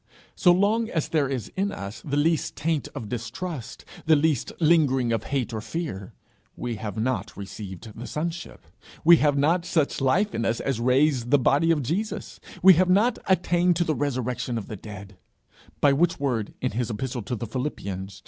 So long as there is in us the least taint of distrust, the least lingering of hate or fear, we have not received the sonship; we have not such life in us as raised the body of Jesus; we have not attained to the resurrection of the dead by which word, in his epistle to the Philippians (iii.